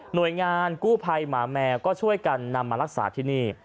โดยงานกู้ภัยหมาแมวก็ช่วยกันนำมารักษาที่นี่